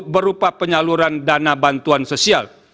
berupa penyaluran dana bantuan sosial